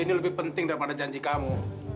ini lebih penting daripada janji kamu